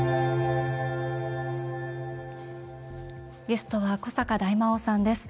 ゲストは古坂大魔王さんです。